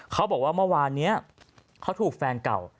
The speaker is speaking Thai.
เขาบอกว่าเมื่อวานนี้เขาถูกแฟนเก่า